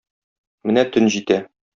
Менә төн җитә.